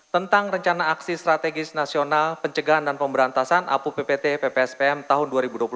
tentang rencana aksi strategis nasional pencegahan dan pemberantasan apu ppt ppspm tahun dua ribu dua puluh satu